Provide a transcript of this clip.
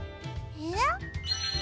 えっ？